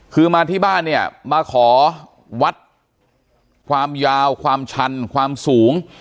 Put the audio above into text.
คือมาที่บ้านเนี่ยมาขอวัดความยาวความชันความสูง